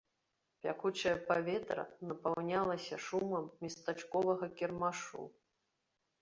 Пякучае паветра напаўнялася шумам местачковага кірмашу.